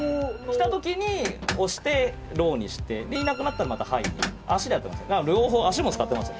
来たときに押して、ローにして、いなくなったら、またハイに、足でやってます。